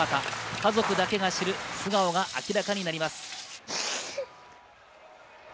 家族だけが知る素顔が明らかになります。